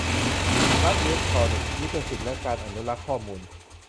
รัฐอิเล็กทรอนิกส์ : ลิขสิทธิ์และการอนุรักษ์ข้อมูล